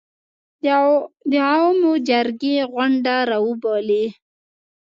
د عوامو جرګې غونډه راوبولي